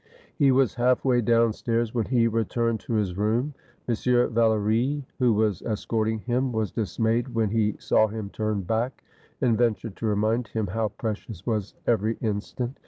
He was halfway downstairs when he returned to his room. M. Valory, who was escorting him, was dismayed when he saw him turn back, and ventured to remind him how precious was every instant.